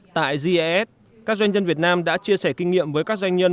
tại gis các doanh nhân việt nam đã chia sẻ kinh nghiệm với các doanh nhân